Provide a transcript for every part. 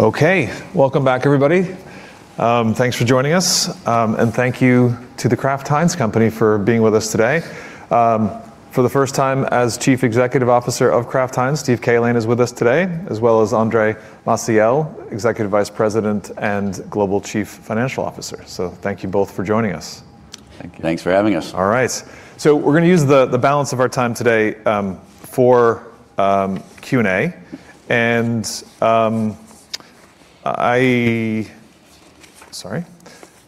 Okay. Welcome back, everybody. Thanks for joining us. Thank you to The Kraft Heinz Company for being with us today. For the first time as Chief Executive Officer of Kraft Heinz, Steve Cahillane is with us today, as well as Andre Maciel, Executive Vice President and Global Chief Financial Officer. Thank you both for joining us. Thank you. Thanks for having us. All right. We're going to use the balance of our time today for Q&A, and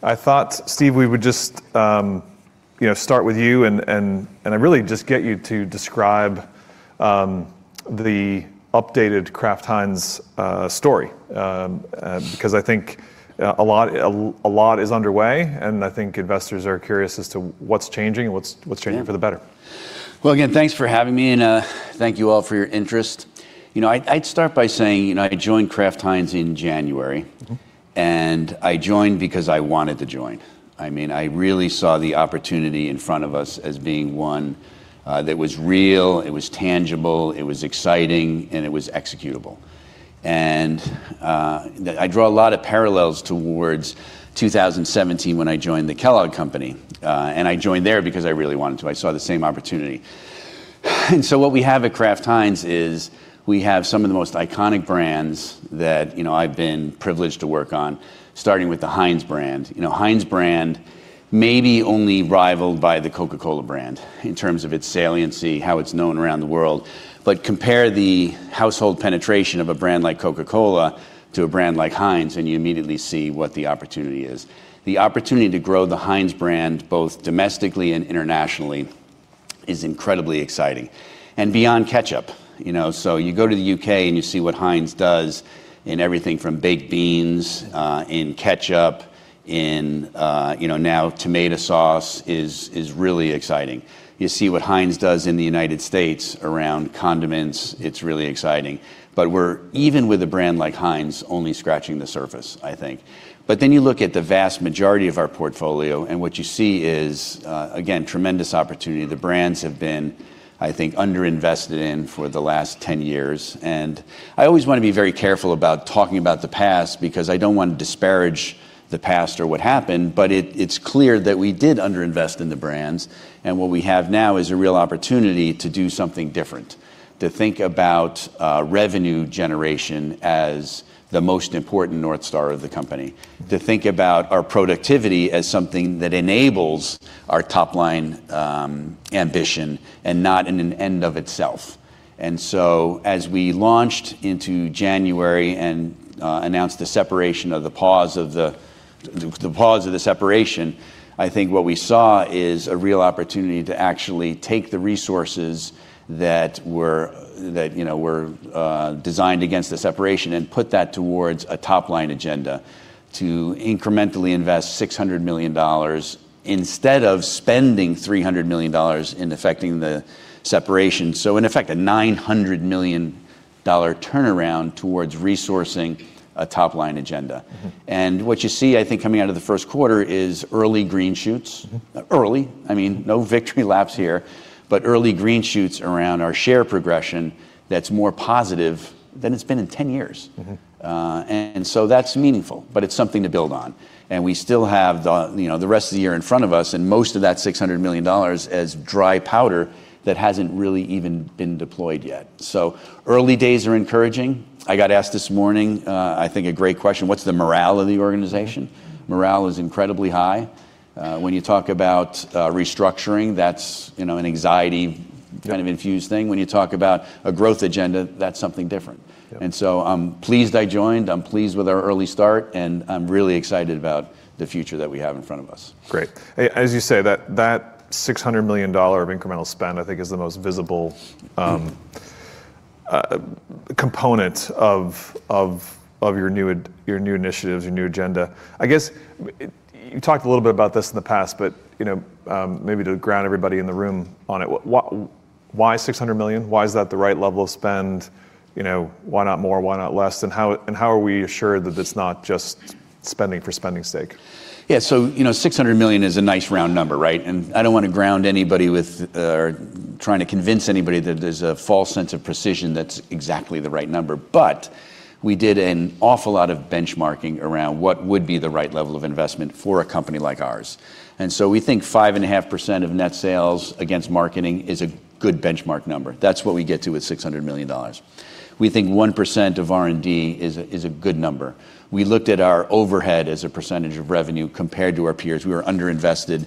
I thought, Steve, we would just start with you, and really just get you to describe the updated Kraft Heinz story. Because I think a lot is underway, and I think investors are curious as to what's changing and what's changing for the better. Well, again, thanks for having me, and thank you all for your interest. I'd start by saying I joined Kraft Heinz in January. I joined because I wanted to join. I really saw the opportunity in front of us as being one that was real, it was tangible, it was exciting, and it was executable. I draw a lot of parallels towards 2017 when I joined the Kellogg Company, and I joined there because I really wanted to. I saw the same opportunity. What we have at Kraft Heinz is we have some of the most iconic brands that I've been privileged to work on, starting with the Heinz brand. Heinz brand may be only rivaled by the Coca-Cola brand in terms of its saliency, how it's known around the world. Compare the household penetration of a brand like Coca-Cola to a brand like Heinz, and you immediately see what the opportunity is. The opportunity to grow the Heinz brand, both domestically and internationally, is incredibly exciting. Beyond ketchup. You go to the U.K. and you see what Heinz does in everything from baked beans, in ketchup, in now tomato sauce, is really exciting. You see what Heinz does in the United States around condiments. It's really exciting. We're, even with a brand like Heinz, only scratching the surface, I think. Then you look at the vast majority of our portfolio, and what you see is, again, tremendous opportunity. The brands have been, I think, under-invested in for the last 10 years. I always want to be very careful about talking about the past, because I don't want to disparage the past or what happened, but it's clear that we did under-invest in the brands. What we have now is a real opportunity to do something different. To think about revenue generation as the most important north star of the company. To think about our productivity as something that enables our top-line ambition, and not in an end of itself. As we launched into January and announced the pause of the separation, I think what we saw is a real opportunity to actually take the resources that were designed against the separation and put that towards a top-line agenda to incrementally invest $600 million instead of spending $300 million in effecting the separation. In effect, a $900 million turnaround towards resourcing a top-line agenda. What you see, I think, coming out of the first quarter, is early green shoots. No victory laps here, but early green shoots around our share progression that's more positive than it's been in 10 years. That's meaningful, but it's something to build on. We still have the rest of the year in front of us, and most of that $600 million as dry powder that hasn't really even been deployed yet. Early days are encouraging. I got asked this morning, I think, a great question: What's the morale of the organization? Morale is incredibly high. When you talk about restructuring, that's an anxiety kind of infused thing. When you talk about a growth agenda, that's something different. I'm pleased I joined, I'm pleased with our early start, and I'm really excited about the future that we have in front of us. Great. As you say, that $600 million of incremental spend, I think, is the most visible component of your new initiatives, your new agenda. I guess you talked a little bit about this in the past, but maybe to ground everybody in the room on it, why $600 million? Why is that the right level of spend? Why not more? Why not less? How are we assured that it's not just spending for spending's sake? Yeah. $600 million is a nice round number, right? I don't want to ground anybody with, or trying to convince anybody that there's a false sense of precision that's exactly the right number. We did an awful lot of benchmarking around what would be the right level of investment for a company like ours. We think 5.5% of net sales against marketing is a good benchmark number. That's what we get to with $600 million. We think 1% of R&D is a good number. We looked at our overhead as a percentage of revenue compared to our peers. We were under-invested.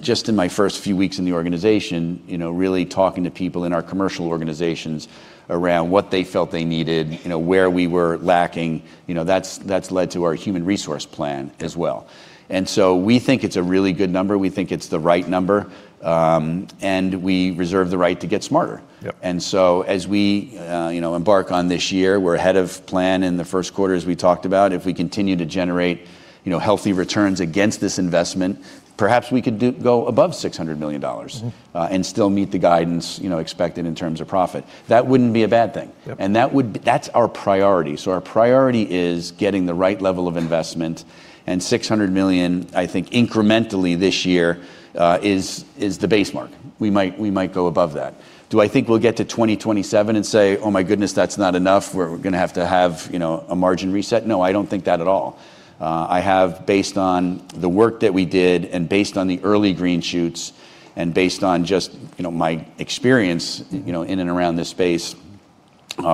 Just in my first few weeks in the organization, really talking to people in our commercial organizations around what they felt they needed, where we were lacking, that's led to our human resource plan as well. We think it's a really good number. We think it's the right number. We reserve the right to get smarter. As we embark on this year, we're ahead of plan in the first quarter, as we talked about. If we continue to generate healthy returns against this investment, perhaps we could go above $600 million. Still meet the guidance expected in terms of profit. That wouldn't be a bad thing. That's our priority. Our priority is getting the right level of investment, and $600 million, I think, incrementally this year, is the base mark. We might go above that. Do I think we'll get to 2027 and say, "Oh my goodness, that's not enough. We're going to have to have a margin reset"? No, I don't think that at all. I have, based on the work that we did and based on the early green shoots and based on just my experience in and around this space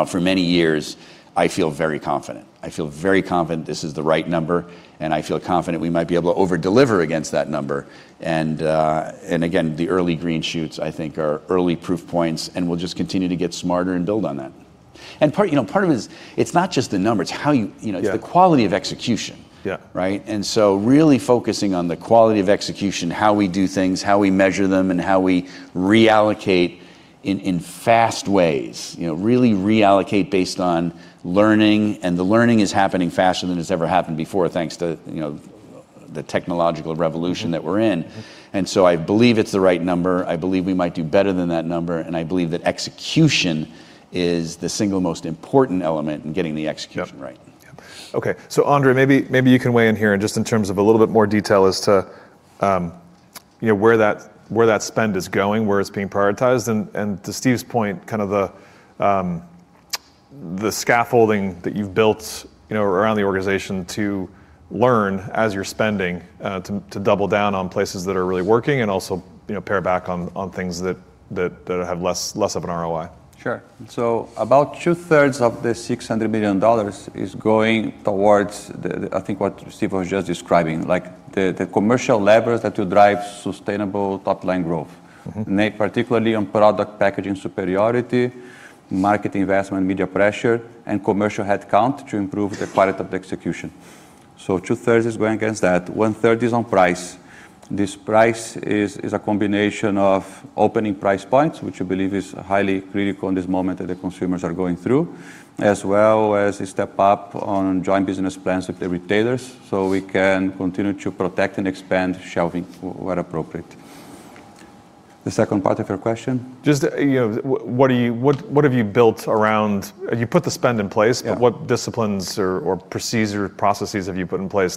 for many years, I feel very confident. I feel very confident this is the right number, and I feel confident we might be able to over-deliver against that number. Again, the early green shoots, I think, are early proof points, and we'll just continue to get smarter and build on that. Part of it is it's not just the number, it's the quality of execution. Right? Really focusing on the quality of execution, how we do things, how we measure them, and how we reallocate in fast ways. Really reallocate based on learning, and the learning is happening faster than it's ever happened before, thanks to the technological revolution that we're in. I believe it's the right number. I believe we might do better than that number, and I believe that execution is the single most important element in getting the execution right. Yep. Okay. Andre, maybe you can weigh in here, and just in terms of a little bit more detail as to where that spend is going, where it's being prioritized and to Steve's point, kind of the scaffolding that you've built around the organization to learn as you're spending to double down on places that are really working and also pare back on things that have less of an ROI. Sure. About two thirds of the $600 million is going towards, I think, what Steve was just describing, the commercial levers that will drive sustainable top-line growth. Made particularly on product packaging superiority, market investment, media pressure, and commercial headcount to improve the quality of the execution. 2/3 is going against that. 1/3 is on price. This price is a combination of opening price points, which we believe is highly critical in this moment that the consumers are going through, as well as a step up on joint business plans with the retailers, so we can continue to protect and expand shelving where appropriate. The second part of your question? You put the spend in place. What disciplines or procedures or processes have you put in place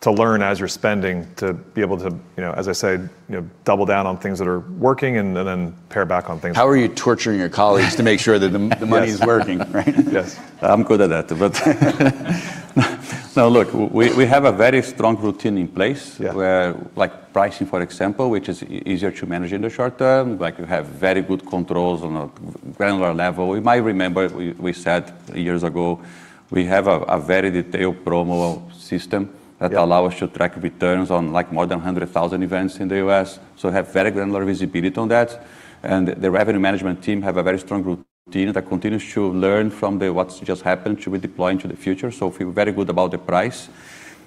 to learn as you're spending to be able to, as I say, double down on things that are working and then pare back on things? How are you torturing your colleagues to make sure that the money is working, right? Yes. I'm good at that, but no, look, we have a very strong routine in place where, like pricing, for example, which is easier to manage in the short term, you have very good controls on a granular level. We might remember we said years ago, we have a very detailed promo system that allow us to track returns on more than 100,000 events in the U.S., so have very granular visibility on that. The revenue management team have a very strong routine that continues to learn from what's just happened to be deployed into the future. Feel very good about the price.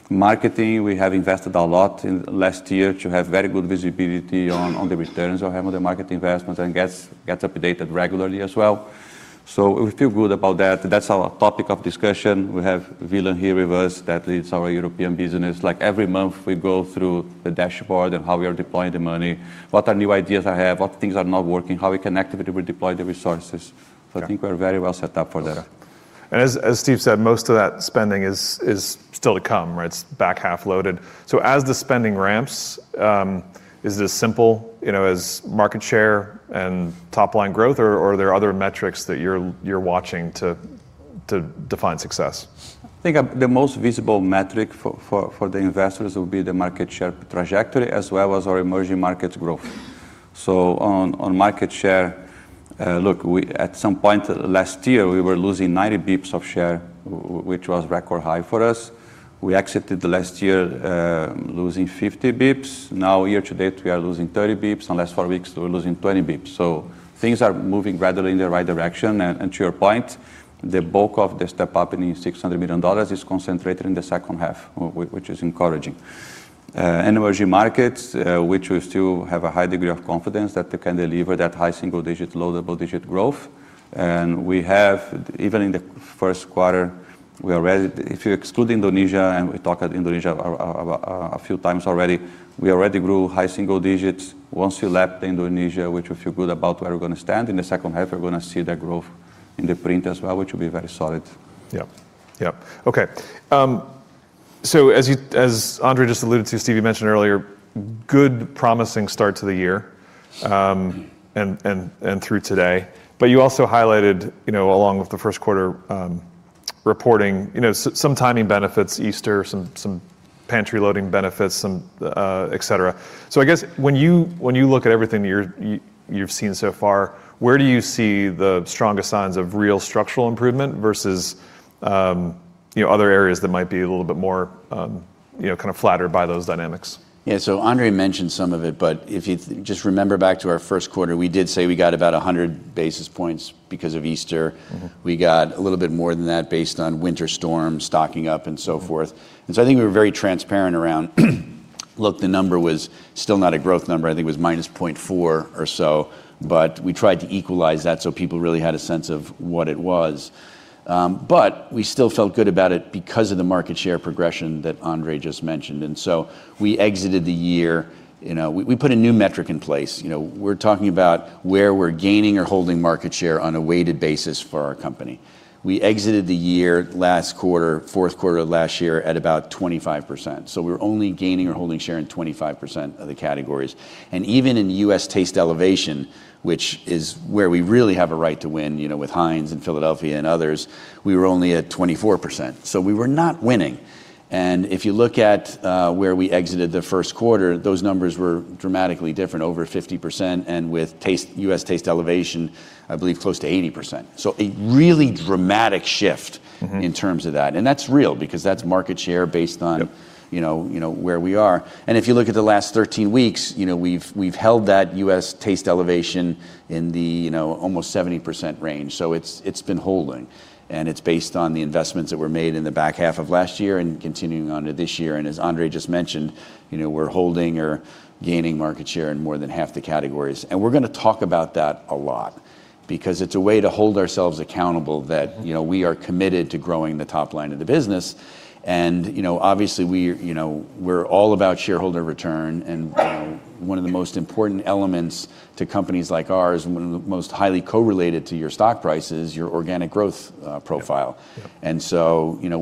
Marketing, we have invested a lot in last year to have very good visibility on the returns we have on the market investments and gets updated regularly as well. We feel good about that. That's our topic of discussion. We have Willem here with us that leads our European business. Every month we go through the dashboard and how we are deploying the money. What are new ideas I have, what things are not working, how we can actively deploy the resources. I think we're very well set up for that. As Steve said, most of that spending is still to come, right? It's back half loaded. As the spending ramps, is this simple, as market share and top line growth or are there other metrics that you're watching to define success? I think the most visible metric for the investors will be the market share trajectory as well as our emerging markets growth. On market share, look, at some point last year, we were losing 90 bps of share, which was record high for us. We exited last year losing 50 bps. Year to date, we are losing 30 bps. In the last four weeks, we were losing 20 bps. Things are moving gradually in the right direction. To your point, the bulk of the step up in $600 million is concentrated in the second half, which is encouraging. Emerging markets, which we still have a high degree of confidence that they can deliver that high single-digit, low double-digit growth. We have, even in the first quarter, if you exclude Indonesia and we talked Indonesia a few times already, we already grew high single digits. Once you lap Indonesia, which we feel good about where we're going to stand in the second half, we're going to see that growth in the print as well, which will be very solid. Yep. Okay. As Andre just alluded to, Steve, you mentioned earlier, good promising start to the year, and through today. You also highlighted, along with the first quarter reporting, some timing benefits, Easter, some pantry loading benefits, some et cetera. I guess when you look at everything you've seen so far, where do you see the strongest signs of real structural improvement versus other areas that might be a little bit more kind of flattered by those dynamics? Yeah, Andre mentioned some of it, but if you just remember back to our first quarter, we did say we got about 100 basis points because of Easter. We got a little bit more than that based on winter storm stocking up and so forth. I think we were very transparent around look, the number was still not a growth number. I think it was -0.4 or so, but we tried to equalize that so people really had a sense of what it was. We still felt good about it because of the market share progression that Andre just mentioned. We exited the year, we put a new metric in place. We're talking about where we're gaining or holding market share on a weighted basis for our company. We exited the year last quarter, fourth quarter of last year, at about 25%. We're only gaining or holding share in 25% of the categories. Even in U.S. Taste Elevation, which is where we really have a right to win, with Heinz and Philadelphia and others, we were only at 24%. We were not winning. If you look at where we exited the first quarter, those numbers were dramatically different, over 50%, and with U.S. Taste Elevation, I believe close to 80%. A really dramatic shift. In terms of that. That's real, because that's market share. You know where we are. If you look at the last 13 weeks, we've held that U.S. Taste Elevation in the almost 70% range, so it's been holding, and it's based on the investments that were made in the back half of last year and continuing on to this year. As Andre just mentioned, we're holding or gaining market share in more than half the categories. We're going to talk about that a lot because it's a way to hold ourselves accountable that we are committed to growing the top line of the business. Obviously we're all about shareholder return, and one of the most important elements to companies like ours, and one of the most highly co-related to your stock price is your organic growth profile.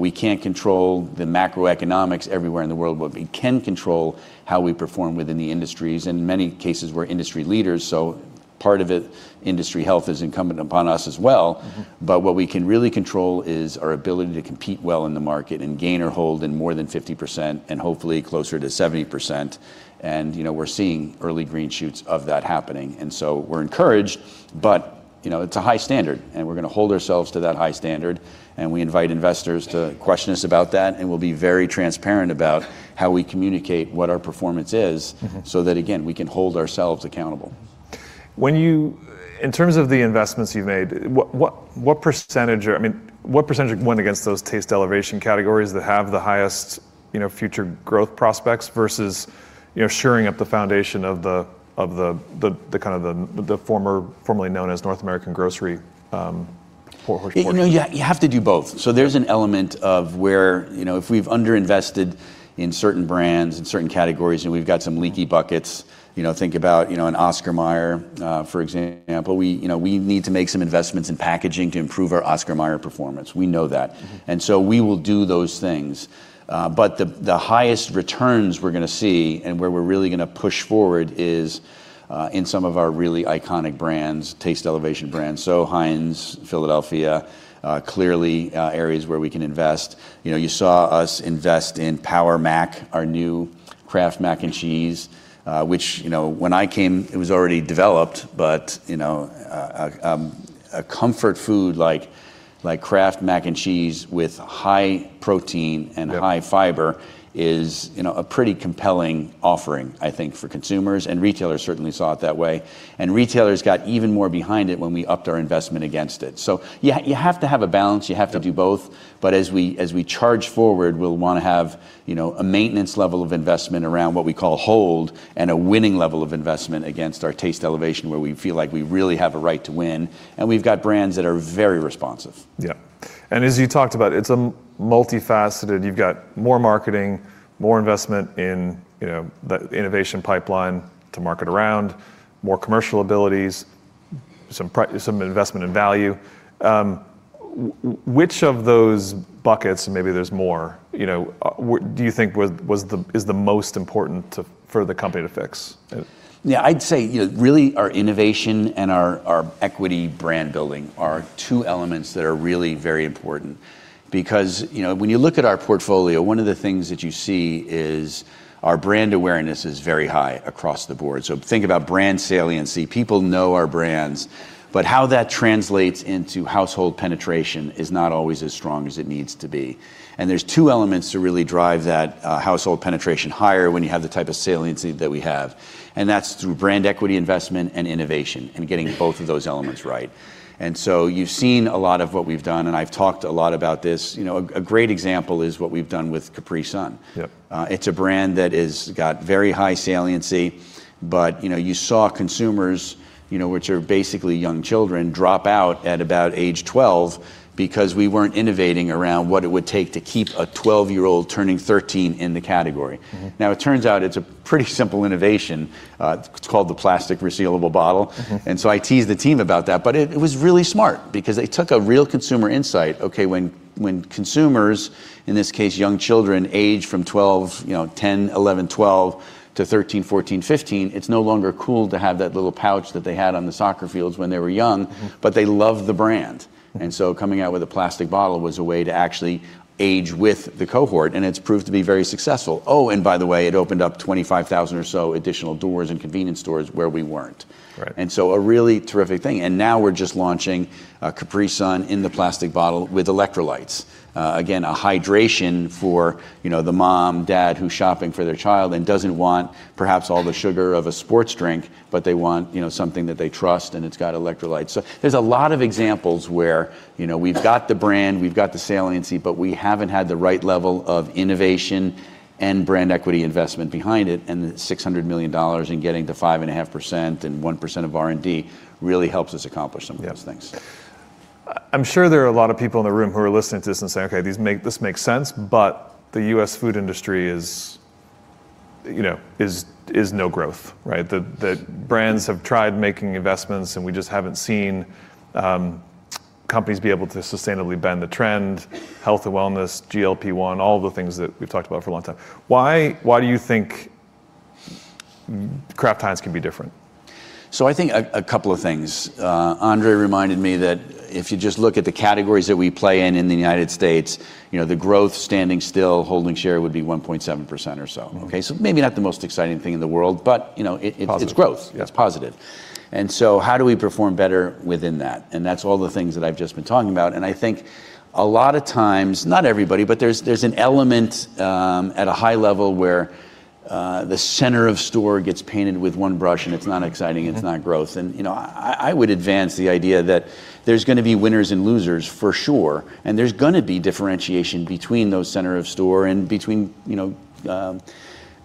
We can't control the macroeconomics everywhere in the world, but we can control how we perform within the industries. In many cases, we're industry leaders, so part of it, industry health is incumbent upon us as well. What we can really control is our ability to compete well in the market and gain or hold in more than 50%, and hopefully closer to 70%. We're seeing early green shoots of that happening, and so we're encouraged, but it's a high standard, and we're going to hold ourselves to that high standard, and we invite investors to question us about that, and we'll be very transparent about how we communicate what our performance is. That, again, we can hold ourselves accountable. In terms of the investments you've made, what percentage went against those Taste Elevation categories that have the highest future growth prospects versus shoring up the foundation of the formerly known as North American grocery. You have to do both. There's an element of where if we've under-invested in certain brands and certain categories and we've got some leaky buckets, think about an Oscar Mayer, for example. We need to make some investments in packaging to improve our Oscar Mayer performance. We know that. We will do those things. The highest returns we're going to see and where we're really going to push forward is in some of our really iconic brands, taste elevation brands. Heinz, Philadelphia, clearly areas where we can invest. You saw us invest in PowerMac, our new Kraft Mac & Cheese, which when I came, it was already developed, but a comfort food like Kraft Mac & Cheese with high protein and high fiber is a pretty compelling offering, I think, for consumers, and retailers certainly saw it that way. Retailers got even more behind it when we upped our investment against it. You have to have a balance. You have to do both. As we charge forward, we'll want to have a maintenance level of investment around what we call hold, and a winning level of investment against our Taste Elevation, where we feel like we really have a right to win, and we've got brands that are very responsive. Yeah. As you talked about, it's multifaceted. You've got more marketing, more investment in the innovation pipeline to market around, more commercial abilities, some investment in value. Which of those buckets, and maybe there's more, do you think is the most important for the company to fix? Yeah, I'd say really our innovation and our equity brand building are two elements that are really very important because when you look at our portfolio, one of the things that you see is our brand awareness is very high across the board. Think about brand saliency. People know our brands, how that translates into household penetration is not always as strong as it needs to be. There's two elements to really drive that household penetration higher when you have the type of saliency that we have, and that's through brand equity investment and innovation, and getting both of those elements right. You've seen a lot of what we've done, and I've talked a lot about this. A great example is what we've done with Capri Sun. Yep. It's a brand that has got very high saliency, but you saw consumers, which are basically young children, drop out at about age 12 because we weren't innovating around what it would take to keep a 12-year-old turning 13 in the category. It turns out it's a pretty simple innovation. It's called the plastic resealable bottle. I tease the team about that, but it was really smart because they took a real consumer insight. Okay, when consumers, in this case young children, age from 12, 10, 11, 12, to 13, 14, 15, it's no longer cool to have that little pouch that they had on the soccer fields when they were young, but they love the brand. Coming out with a plastic bottle was a way to actually age with the cohort, and it's proved to be very successful. By the way, it opened up 25,000 or so additional doors and convenience stores where we weren't. Right. A really terrific thing, now we're just launching Capri Sun in the plastic bottle with electrolytes. Again, a hydration for the mom, dad who's shopping for their child and doesn't want perhaps all the sugar of a sports drink, but they want something that they trust, and it's got electrolytes. There's a lot of examples where we've got the brand, we've got the saliency, but we haven't had the right level of innovation and brand equity investment behind it, and the $600 million in getting to 5.5% and 1% of R&D really helps us accomplish some of those things. Yeah. I'm sure there are a lot of people in the room who are listening to this and saying, "Okay, this makes sense." The U.S. food industry is no growth, right? The brands have tried making investments. We just haven't seen companies be able to sustainably bend the trend. Health and wellness, GLP-1, all the things that we've talked about for a long time. Why do you think Kraft Heinz can be different? I think a couple of things. Andre reminded me that if you just look at the categories that we play in in the United States, the growth standing still holding share would be 1.7% or so. Okay. Maybe not the most exciting thing in the world, but it's growth. Positive. Yeah. It's positive. How do we perform better within that? That's all the things that I've just been talking about, and I think a lot of times, not everybody, but there's an element at a high level where the center of store gets painted with one brush and it's not exciting, it's not growth. I would advance the idea that there's going to be winners and losers for sure, and there's going to be differentiation between those center of store and between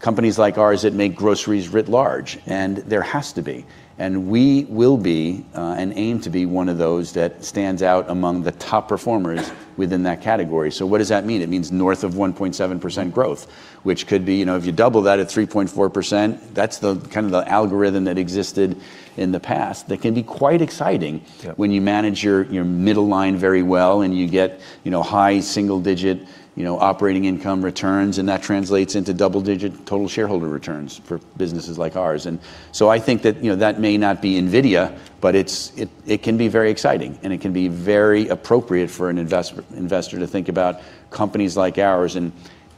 companies like ours that make groceries writ large, and there has to be. We will be, and aim to be one of those that stands out among the top performers within that category. What does that mean? It means north of 1.7% growth, which could be, if you double that at 3.4%, that's the kind of the algorithm that existed in the past that can be quite exciting when you manage your middle line very well and you get high single digit operating income returns, that translates into double digit total shareholder returns for businesses like ours. I think that may not be NVIDIA, but it can be very exciting and it can be very appropriate for an investor to think about companies like ours and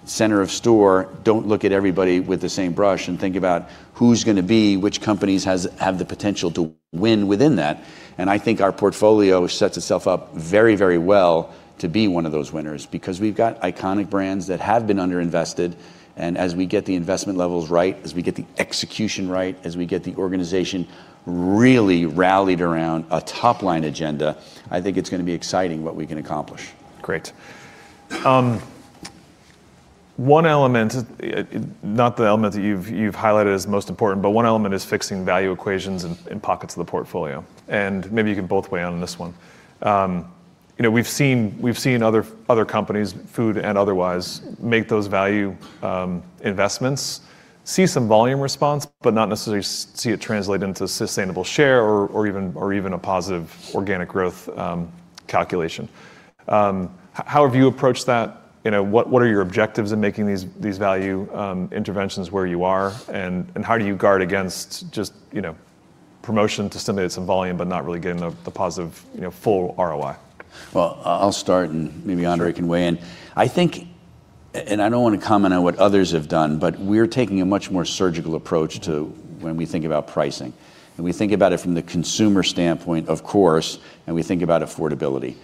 center of store, don't look at everybody with the same brush and think about who's going to be, which companies have the potential to win within that. I think our portfolio sets itself up very well to be one of those winners because we've got iconic brands that have been under-invested. As we get the investment levels right, as we get the execution right, as we get the organization really rallied around a top-line agenda, I think it's going to be exciting what we can accomplish. Great. One element, not the element that you've highlighted as most important, but one element is fixing value equations in pockets of the portfolio. And maybe you can both weigh in on this one. We've seen other companies, food and otherwise, make those value investments, see some volume response, but not necessarily see it translate into sustainable share or even a positive organic growth calculation. How have you approached that? What are your objectives in making these value interventions where you are, and how do you guard against just promotion to stimulate some volume but not really getting the positive full ROI? Well, I'll start and maybe Andre can weigh in. I think, I don't want to comment on what others have done, but we're taking a much more surgical approach to when we think about pricing. We think about it from the consumer standpoint, of course, and we think about affordability.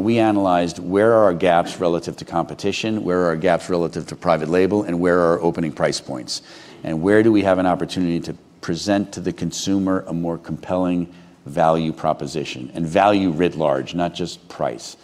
We analyzed where are our gaps relative to competition, where are our gaps relative to private label, and where are our opening price points? Where do we have an opportunity to present to the consumer a more compelling value proposition? Value writ large, not just price.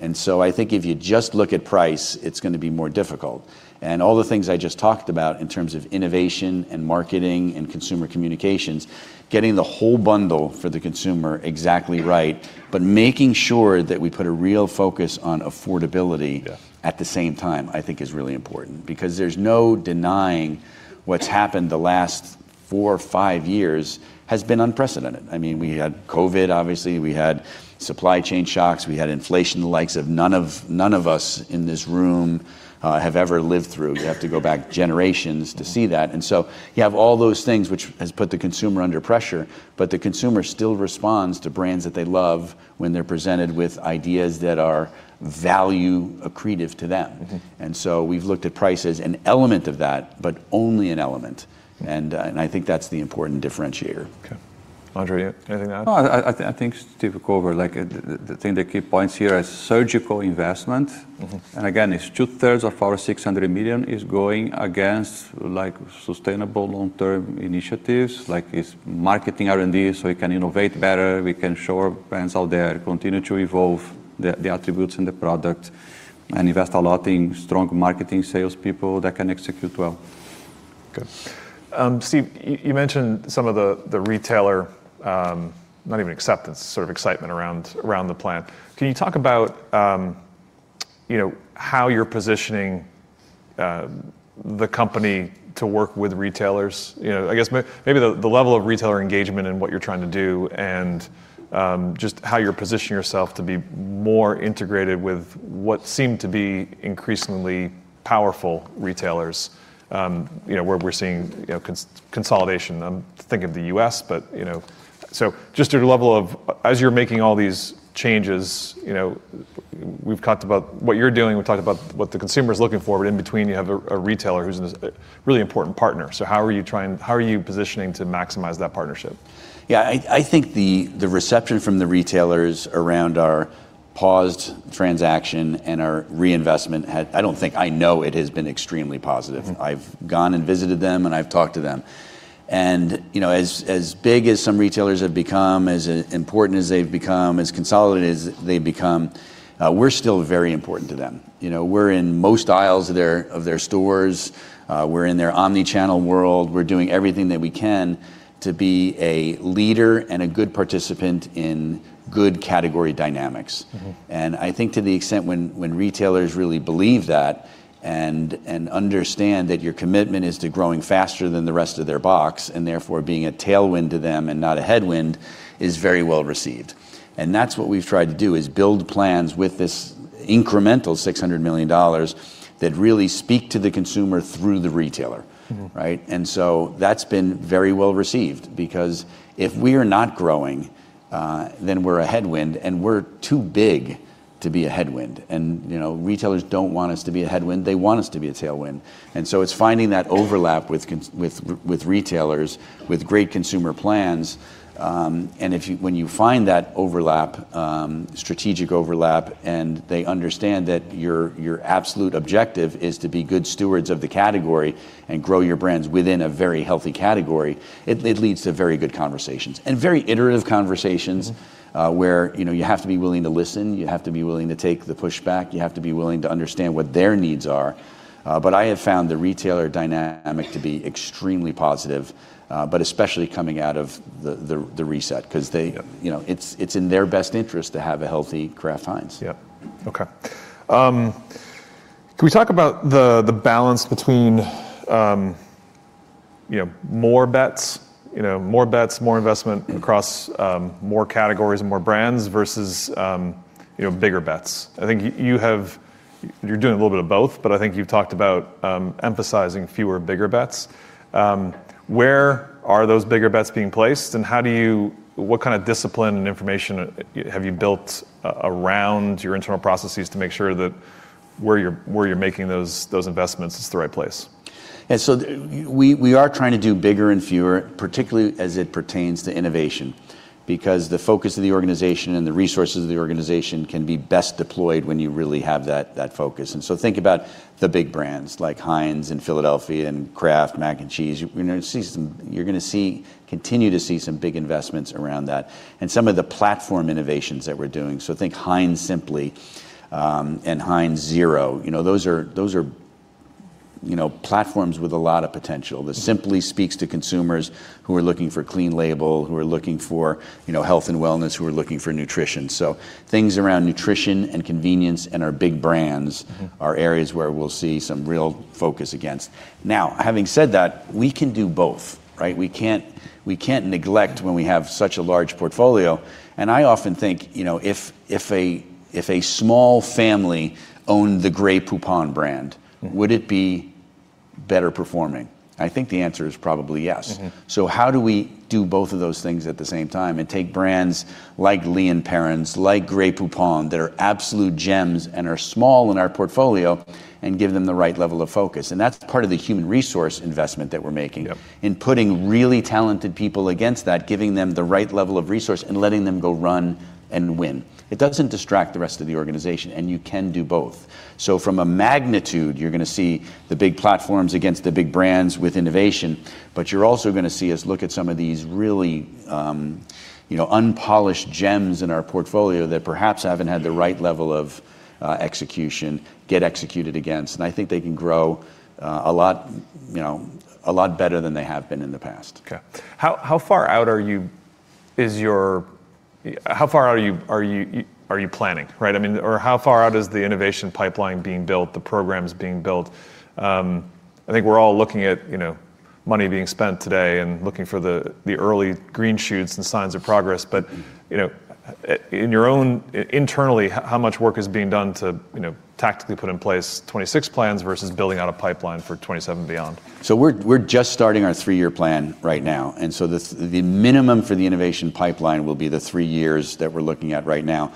I think if you just look at price, it's going to be more difficult. All the things I just talked about in terms of innovation and marketing and consumer communications, getting the whole bundle for the consumer exactly right, but making sure that we put a real focus on affordability. At the same time, I think is really important. There's no denying what's happened the last four or five years has been unprecedented. We had COVID, obviously. We had supply chain shocks. We had inflation the likes of none of us in this room have ever lived through. You have to go back generations to see that. You have all those things which has put the consumer under pressure, but the consumer still responds to brands that they love when they're presented with ideas that are value accretive to them. We've looked at price as an element of that, but only an element. I think that's the important differentiator. Okay. Andre, anything to add? No, I think Steve covered the thing, the key points here is surgical investment. Again, it's two thirds of our $600 million is going against sustainable long-term initiatives, like it's marketing R&D so we can innovate better, we can show our brands out there, continue to evolve the attributes in the product, and invest a lot in strong marketing salespeople that can execute well. Good. Steve, you mentioned some of the retailer, not even acceptance, sort of excitement around the plan. Can you talk about how you're positioning the company to work with retailers? I guess maybe the level of retailer engagement and what you're trying to do, just how you're positioning yourself to be more integrated with what seem to be increasingly powerful retailers, where we're seeing consolidation. I'm thinking of the U.S., just at a level of, as you're making all these changes, we've talked about what you're doing, we've talked about what the consumer's looking for, in between you have a retailer who's a really important partner. How are you positioning to maximize that partnership? Yeah, I think the reception from the retailers around our paused transaction and our reinvestment, I know it has been extremely positive. I've gone and visited them and I've talked to them. As big as some retailers have become, as important as they've become, as consolidated as they've become, we're still very important to them. We're in most aisles of their stores. We're in their omni-channel world. We're doing everything that we can to be a leader and a good participant in good category dynamics. I think to the extent when retailers really believe that and understand that your commitment is to growing faster than the rest of their box, and therefore being a tailwind to them and not a headwind, is very well received. That's what we've tried to do, is build plans with this incremental $600 million that really speak to the consumer through the retailer. Right? That's been very well received, because if we are not growing, then we're a headwind, and we're too big to be a headwind. Retailers don't want us to be a headwind, they want us to be a tailwind. It's finding that overlap with retailers with great consumer plans. When you find that strategic overlap, and they understand that your absolute objective is to be good stewards of the category and grow your brands within a very healthy category, it leads to very good conversations. Very iterative conversations where you have to be willing to listen, you have to be willing to take the pushback, you have to be willing to understand what their needs are. I have found the retailer dynamic to be extremely positive. Especially coming out of the reset because. It's in their best interest to have a healthy Kraft Heinz. Yeah. Okay. Can we talk about the balance between more bets, more investment across more categories and more brands versus bigger bets? I think you're doing a little bit of both, I think you've talked about emphasizing fewer, bigger bets. Where are those bigger bets being placed? What kind of discipline and information have you built around your internal processes to make sure that where you're making those investments is the right place? We are trying to do bigger and fewer, particularly as it pertains to innovation. Because the focus of the organization and the resources of the organization can be best deployed when you really have that focus. Think about the big brands like Heinz and Philadelphia and Kraft Mac & Cheese. You're going to continue to see some big investments around that and some of the platform innovations that we're doing. Think Heinz Simply and Heinz Zero. Those are platforms with a lot of potential. The Simply speaks to consumers who are looking for clean label, who are looking for health and wellness, who are looking for nutrition. Things around nutrition and convenience and our big brands are areas where we'll see some real focus against. Now, having said that, we can do both, right? We can't neglect when we have such a large portfolio. I often think, if a small family owned the Grey Poupon brand, would it be better performing? I think the answer is probably yes. How do we do both of those things at the same time and take brands like Lea & Perrins, like Grey Poupon, that are absolute gems and are small in our portfolio and give them the right level of focus? That's part of the human resource investment that we're making. In putting really talented people against that, giving them the right level of resource, and letting them go run and win. It doesn't distract the rest of the organization, and you can do both. From a magnitude, you're going to see the big platforms against the big brands with innovation, but you're also going to see us look at some of these really unpolished gems in our portfolio that perhaps haven't had the right level of execution get executed against. I think they can grow a lot better than they have been in the past. Okay. How far out are you planning? Right? How far out is the innovation pipeline being built, the programs being built? I think we're all looking at money being spent today and looking for the early green shoots and signs of progress. Internally, how much work is being done to tactically put in place 2026 plans versus building out a pipeline for 2027 beyond? We're just starting our three-year plan right now. The minimum for the innovation pipeline will be the three years that we're looking at right now.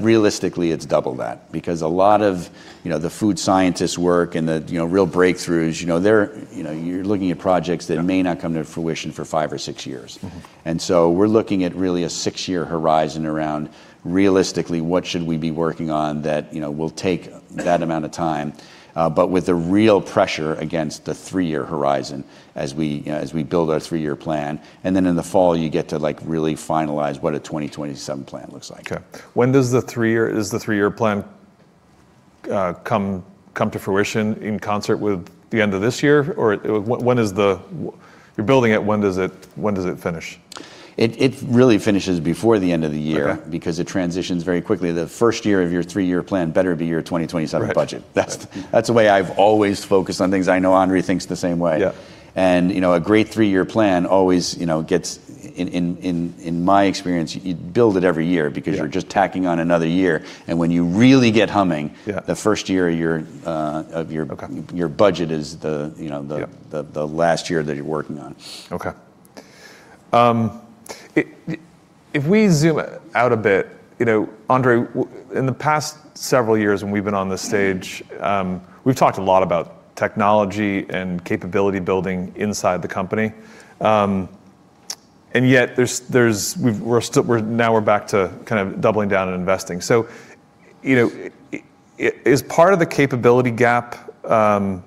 Realistically, it's double that because a lot of the food scientists work and the real breakthroughs, you're looking at projects that may not come to fruition for five or six years. We're looking at really a six-year horizon around, realistically, what should we be working on that will take that amount of time, but with the real pressure against the three-year horizon as we build our three-year plan. In the fall, you get to really finalize what a 2027 plan looks like. Okay. Does the three-year plan come to fruition in concert with the end of this year? You're building it, when does it finish? It really finishes before the end of the year. Because it transitions very quickly. The first year of your three-year plan better be your 2027 budget. That's the way I've always focused on things. I know Andre thinks the same way. A great three-year plan always gets, in my experience, you build it every year because you're just tacking on another year and when you really get humming, the first year of your budget is the last year that you're working on. Okay. If we zoom out a bit, Andre, in the past several years when we've been on this stage, we've talked a lot about technology and capability building inside the company. Yet now we're back to kind of doubling down on investing. Is part of the capability gap that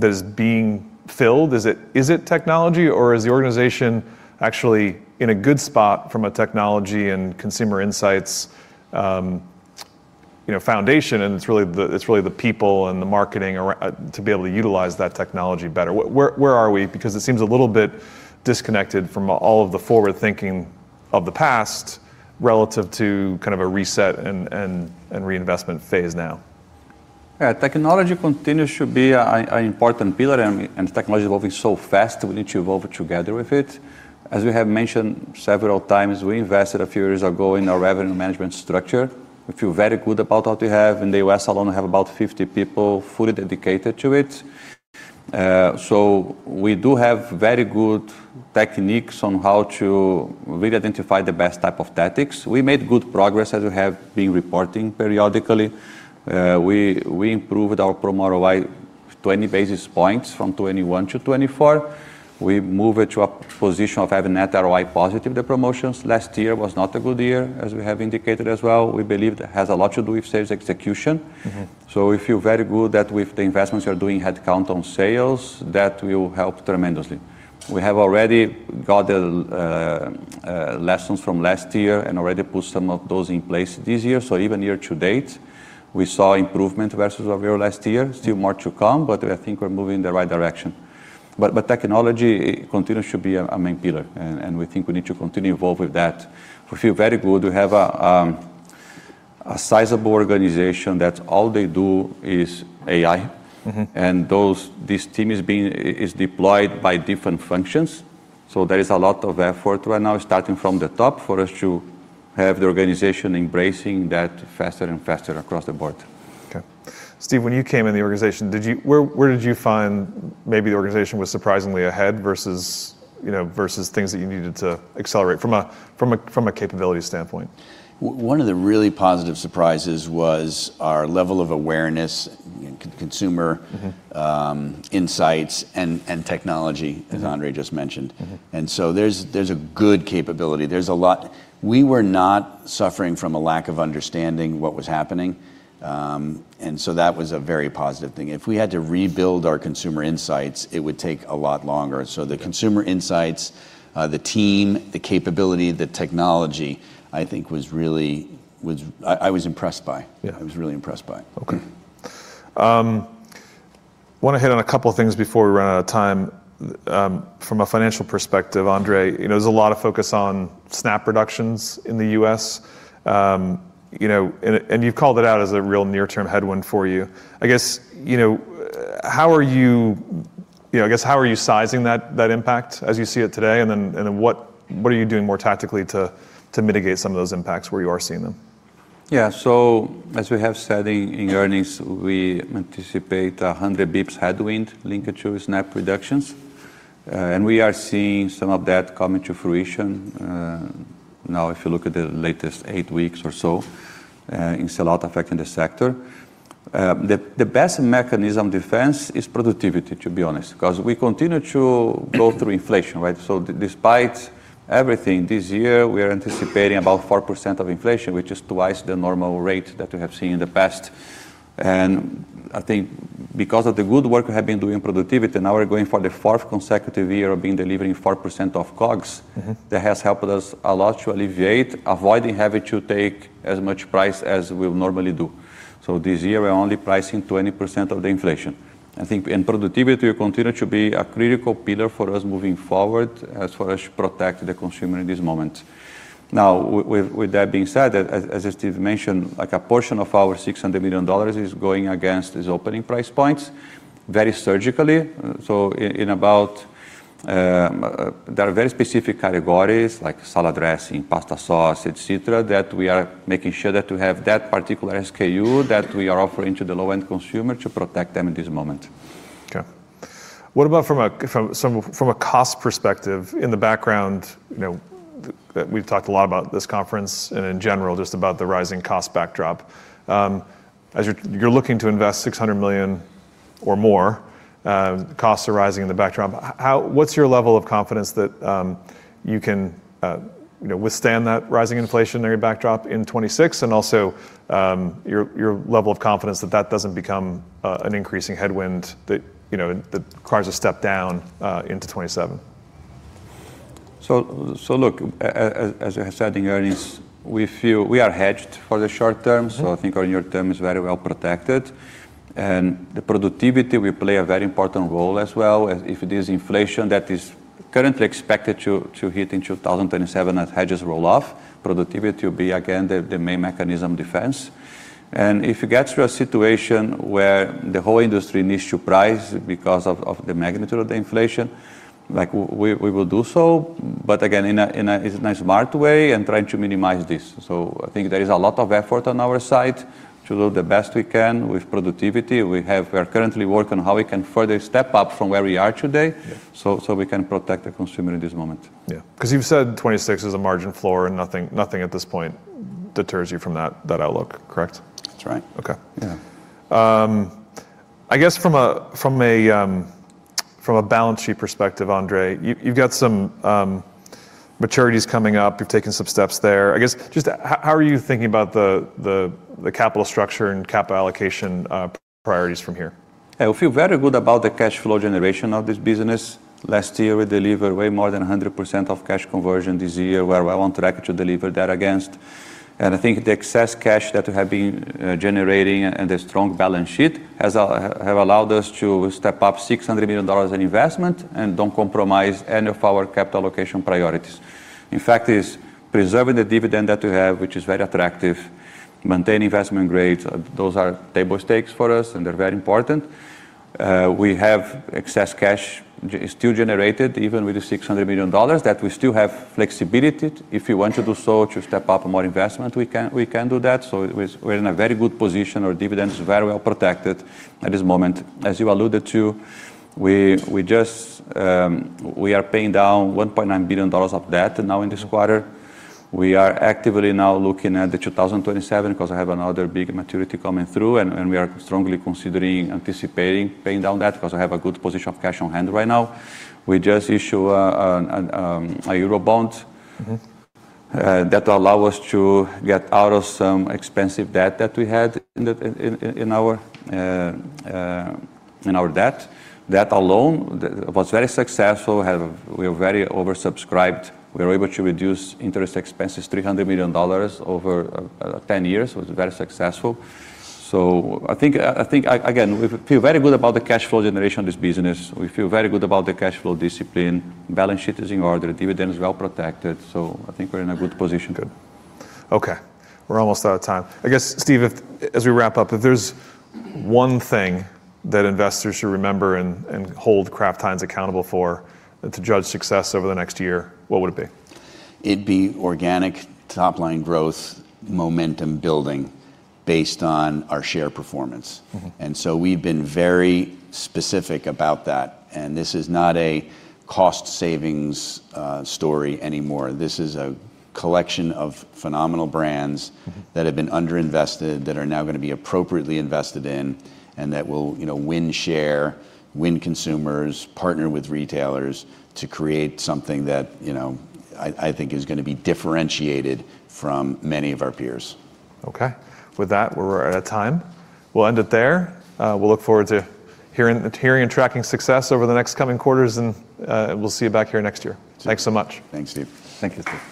is being filled, is it technology, or is the organization actually in a good spot from a technology and consumer insights foundation, and it's really the people and the marketing to be able to utilize that technology better? Where are we? It seems a little bit disconnected from all of the forward thinking of the past relative to kind of a reset and reinvestment phase now. Yeah. Technology continues to be an important pillar, and technology is evolving so fast, we need to evolve together with it. As we have mentioned several times, we invested a few years ago in our revenue management structure. We feel very good about what we have. In the U.S. alone, we have about 50 people fully dedicated to it. We do have very good techniques on how to really identify the best type of tactics. We made good progress as we have been reporting periodically. We improved our promo ROI 20 basis points from 2021 to 2024. We moved it to a position of having net ROI positive. The promotions last year was not a good year, as we have indicated as well. We believe it has a lot to do with sales execution. We feel very good that with the investments we are doing headcount on sales, that will help tremendously. We have already got lessons from last year and already put some of those in place this year. Even year to date, we saw improvement versus our year last year. Still more to come, but I think we're moving in the right direction. Technology continues to be a main pillar, and we think we need to continue evolve with that. We feel very good. We have a sizable organization that all they do is AI. This team is deployed by different functions. There is a lot of effort right now, starting from the top, for us to have the organization embracing that faster and faster across the board. Okay. Steve, when you came in the organization, where did you find maybe the organization was surprisingly ahead versus things that you needed to accelerate from a capability standpoint? One of the really positive surprises was our level of awareness, consumer insights and technology, as Andre just mentioned. There's a good capability. There's a lot. We were not suffering from a lack of understanding what was happening. That was a very positive thing. If we had to rebuild our consumer insights, it would take a lot longer. The consumer insights, the team, the capability, the technology, I think, I was impressed by. I was really impressed by. Okay. Want to hit on a couple of things before we run out of time. From a financial perspective, Andre, there's a lot of focus on SNAP reductions in the U.S. You've called it out as a real near-term headwind for you. I guess, how are you sizing that impact as you see it today? What are you doing more tactically to mitigate some of those impacts where you are seeing them? Yeah. As we have said in earnings, we anticipate 100 basis points headwind linked to SNAP reductions. We are seeing some of that coming to fruition now if you look at the latest eight weeks or so. It's a lot affecting the sector. The best mechanism defense is productivity, to be honest, because we continue to go through inflation, right? Despite everything, this year, we are anticipating about 4% of inflation, which is twice the normal rate that we have seen in the past. I think because of the good work we have been doing productivity, now we're going for the fourth consecutive year of delivering 4% of COGS. That has helped us a lot to alleviate, avoiding having to take as much price as we would normally do. This year we're only pricing 20% of the inflation. I think in productivity, we continue to be a critical pillar for us moving forward as far as protecting the consumer in this moment. Now, with that being said, as Steve mentioned, a portion of our $600 million is going against these opening price points very surgically. There are very specific categories like salad dressing, pasta sauce, et cetera, that we are making sure that we have that particular SKU that we are offering to the low-end consumer to protect them in this moment. Okay. What about from a cost perspective, in the background, we've talked a lot about this conference and in general, just about the rising cost backdrop. As you're looking to invest $600 million or more, costs are rising in the backdrop. What's your level of confidence that you can withstand that rising inflationary backdrop in 2026, and also your level of confidence that that doesn't become an increasing headwind that requires a step down into 2027? Look, as I said in earnings, we feel we are hedged for the short term. I think our near term is very well protected. The productivity will play a very important role as well. If it is inflation that is currently expected to hit in 2027 as hedges roll off, productivity will be again the main mechanism defense. If it gets to a situation where the whole industry needs to price because of the magnitude of the inflation, we will do so, but again, in a smart way and trying to minimize this. I think there is a lot of effort on our side to do the best we can with productivity. We are currently working on how we can further step up from where we are today. We can protect the consumer in this moment. Yeah. You've said 2026 is a margin floor, and nothing at this point deters you from that outlook, correct? That's right. Okay. I guess from a balance sheet perspective, Andre, you've got some maturities coming up. You've taken some steps there. I guess, just how are you thinking about the capital structure and capital allocation priorities from here? I feel very good about the cash flow generation of this business. Last year, we delivered way more than 100% of cash conversion. This year, we're well on track to deliver that again. I think the excess cash that we have been generating and the strong balance sheet have allowed us to step up $600 million in investment and don't compromise any of our capital allocation priorities. In fact, it's preserving the dividend that we have, which is very attractive, maintain investment grade. Those are table stakes for us, and they're very important. We have excess cash still generated even with the $600 million, that we still have flexibility if we want to do so to step up more investment, we can do that. We're in a very good position. Our dividend is very well protected at this moment. As you alluded to, we are paying down $1.9 billion of debt now in this quarter. We are actively now looking at the 2027 because I have another big maturity coming through. We are strongly considering anticipating paying down debt because I have a good position of cash on hand right now. We just issue a Eurobond that allow us to get out of some expensive debt that we had in our debt. That alone was very successful. We are very oversubscribed. We were able to reduce interest expenses $300 million over 10 years, was very successful. I think, again, we feel very good about the cash flow generation of this business. We feel very good about the cash flow discipline. Balance sheet is in order, dividend is well protected. I think we're in a good position. Good. Okay, we're almost out of time. I guess, Steve, as we wrap up, if there's one thing that investors should remember and hold Kraft Heinz accountable for to judge success over the next year, what would it be? It'd be organic top-line growth momentum building based on our share performance. We've been very specific about that, and this is not a cost savings story anymore. This is a collection of phenomenal brands that have been underinvested, that are now going to be appropriately invested in, and that will win share, win consumers, partner with retailers to create something that I think is going to be differentiated from many of our peers. With that, we're out of time. We'll end it there. We'll look forward to hearing and tracking success over the next coming quarters, and we'll see you back here next year. Thanks so much. Thanks, Steve. Thank you, Steve.